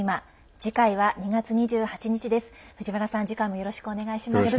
次回もよろしくお願いします。